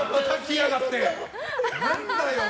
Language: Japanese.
何だよ！